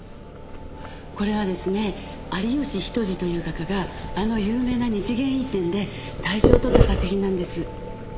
これはですね有吉比登治という画家があの有名な日芸院展で大賞をとった作品なんです。